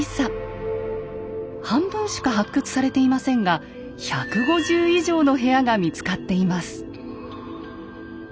半分しか発掘されていませんが１５０以上の部屋が見つかっています。